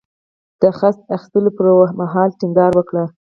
د خصت اخیستلو پر مهال ټینګار وکړ.